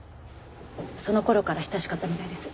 その頃から親しかったみたいです。